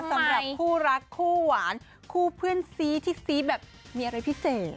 สำหรับคู่รักคู่หวานคู่เพื่อนซีที่ซี้แบบมีอะไรพิเศษ